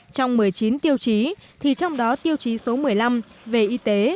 trong một mươi chín tiêu chí thì trong đó tiêu chí số một mươi năm về y tế